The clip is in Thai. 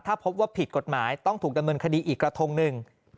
ถ้าพบว่าผิดกฎหมายต้องถูกดำเนินคดีอีกกระทงหนึ่ง